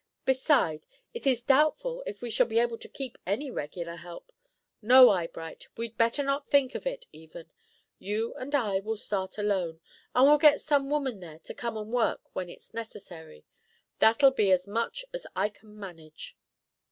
Beside, it is doubtful if we shall be able to keep any regular help. No, Eyebright; we'd better not think of it, even. You and I will start alone, and we'll get some woman there to come and work when it's necessary. That'll be as much as I can manage."